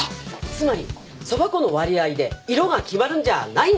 つまりそば粉の割合で色が決まるんじゃないんです